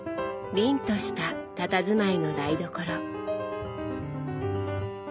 凛としたたたずまいの台所。